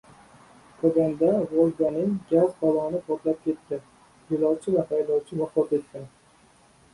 Kogonda «Volga» ning gaz balloni portlab ketdi. Yo‘lovchi va haydovchi vafot etgan